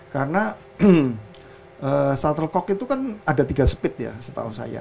karena shuttlecock itu kan ada tiga speed ya setahu saya